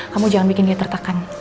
kamu jangan bikin dia tertekan